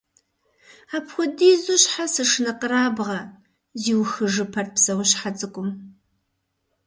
Апхуэдизу щхьэ сышынэкъэрабгъэ? - зиухыжыпэрт псэущхьэ цӀыкӀум.